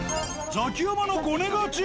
ザキヤマのゴネ勝ち。